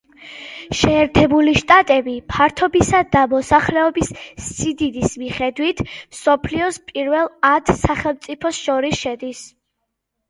შეერთებული შტატები ფართობისა და მოსახლეობის სიდიდის მიხედვით მსოფლიოს პირველ ათ სახელმწიფოს შორის შედის.